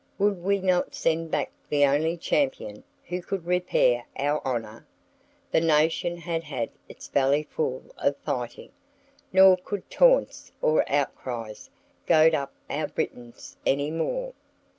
Would we not send back the only champion who could repair our honor?" The nation had had its bellyful of fighting; nor could taunts or outcries goad up our Britons any more.